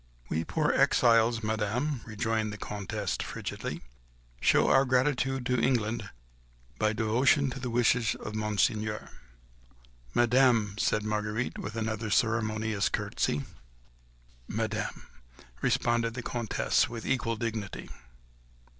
"We poor exiles, Madame," rejoined the Comtesse, frigidly, "show our gratitude to England by devotion to the wishes of Monseigneur." "Madame!" said Marguerite, with another ceremonious curtsey. "Madame," responded the Comtesse with equal dignity.